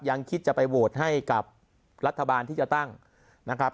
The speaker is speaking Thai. ยังคิดจะไปโหวตให้กับรัฐบาลที่จะตั้งนะครับ